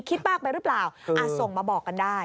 คิดมากไปหรือเปล่าส่งมาบอกกันได้